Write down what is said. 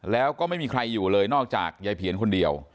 แล้วก็ไม่มีใครอยู่เลยนอกจากยายเพียนคนเดียว